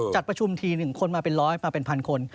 จัดประชุมทีหนึ่งคนมาเป็นร้อยมาเป็นพันคน